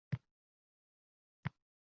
Qutadgʻu bilig toʻliq holatda chop etildi